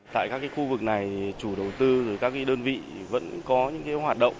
tại các khu vực này chủ đầu tư các đơn vị vẫn có những hoạt động